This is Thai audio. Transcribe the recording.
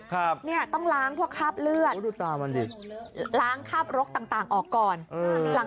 ครับนี่ต้องล้างพวกคราบเลือดล้างคราบรกต่างออกก่อน